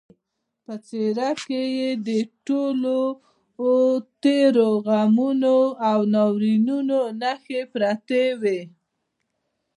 په څېره کې یې د ټولو تېرو غمونو او ناورینونو نښې پرتې وې